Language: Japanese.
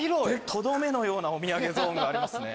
とどめのようなお土産ゾーンがありますね。